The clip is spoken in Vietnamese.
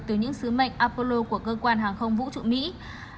từ những sứ mệnh apollo của cơ quan hàng không vũ trụ mỹ